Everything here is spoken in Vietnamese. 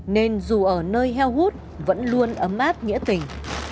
nên dù ở nơi heo hút vẫn luôn ấm áp nghĩa tình